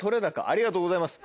ありがとうございます。